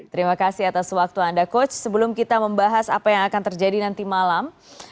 terima kasih atas waktu anda coach sebelum kita membahas apa yang akan terjadi nanti malam